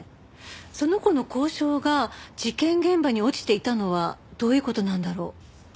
その子の校章が事件現場に落ちていたのはどういう事なんだろう？